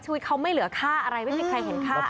ชีวิตเขาไม่เหลือค่าอะไรไม่มีใครเห็นค่า